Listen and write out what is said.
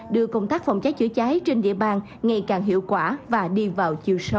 đưa công tác phòng cháy chữa cháy trên địa bàn ngày càng hiệu quả và đi vào chiều sâu